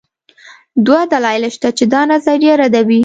دوه دلایل شته چې دا نظریه ردوي.